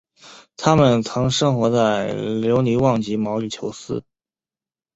它们曾生活在留尼旺及毛里裘斯。